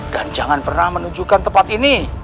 dan jangan pernah menunjukkan tempat ini